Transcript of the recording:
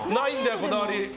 こだわり。